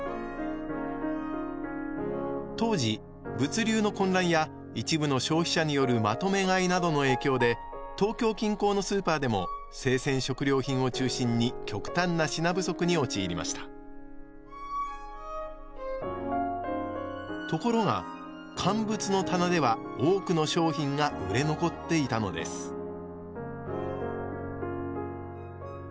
当時物流の混乱や一部の消費者による「まとめ買い」などの影響で東京近郊のスーパーでも生鮮食料品を中心に極端な品不足に陥りましたところが乾物の棚では多くの商品が売れ残っていたのですその